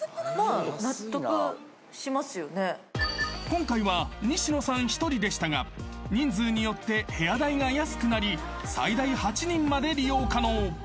［今回は西野さん１人でしたが人数によって部屋代が安くなり最大８人まで利用可能］